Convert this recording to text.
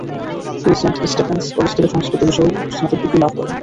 তিনি Saint Stephen's College থেকে সংস্কৃত বিষয়ে স্নাতক ডিগ্রী লাভ করেন।